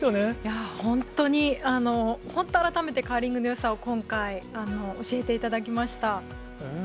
本当に、本当、改めてカーリングのよさを今回、教えていただきました。